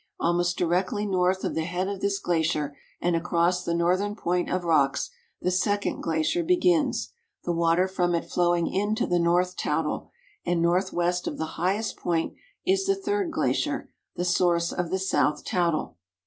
Almost directly north of the head of this glacier and across the northern point of rocks the second glacier begins, the water from it flowing into the North Toutle, and northwest of the highest point is the third glacier, the source of the South Toutle.